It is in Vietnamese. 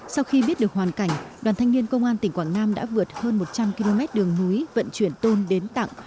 sau khi biết được hoàn cảnh đoàn thanh niên công an tỉnh quảng nam đã vượt hơn một trăm linh km đường núi vận chuyển tôn đến tặng